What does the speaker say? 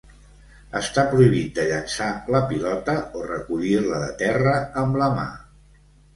Està prohibit de llançar la pilota o recollir-la de terra amb la mà.